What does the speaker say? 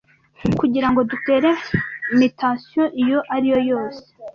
kugirango dutere mutation iyo ari yo yose